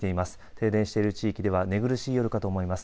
停電してる地域は寝苦しい夜かと思います。